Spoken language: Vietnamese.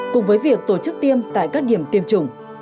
cùng với việc tổ chức tiêm tại các điểm tiêm chủng